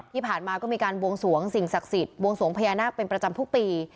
ที่ผ่านมาก็มีการบวงสวงสิ่งศักดิ์สิทธิ์บวงสวงพญานาคเป็นประจำทุกปี